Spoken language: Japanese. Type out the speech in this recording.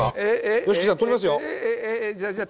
ＹＯＳＨＩＫＩさん取りますよえーっ！